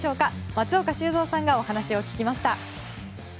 松岡修造さんがお話を聞きました。